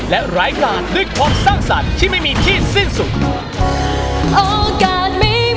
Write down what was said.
และรายการด้วยความสร้างสรรค์ที่ไม่มีที่สิ้นสุด